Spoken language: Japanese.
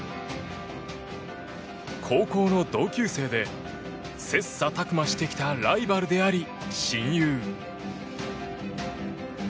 高校の同級生で切磋琢磨してきたライバルであり親友。